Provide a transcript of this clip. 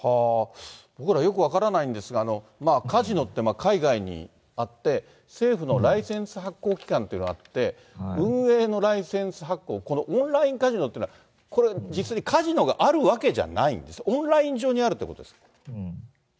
僕らよく分からないんですが、カジノって海外にあって、政府のライセンス発行機関っていうのがあって、運営のライセンス発行、このオンラインカジノっていうは、これ、実際にカジノがあるわけじゃないんですね、オンライン上にあるってことですか？